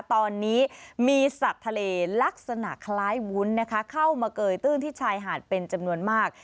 ตอนนี้มีสัตว์ทะเลลักษณะคล้ายวุ้นนะคะเข้ามาเกยตื้นที่ชายหาดเป็นจำนวนมาก